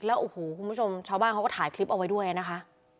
แล้วโอ้โหคุณผู้ชมชาวบ้านเขาก็ถ่ายคลิปเอาไว้ด้วยนะคะ